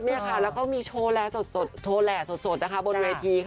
แล้วก็มีโชว์แหลสดโชว์แหลสดบนเวที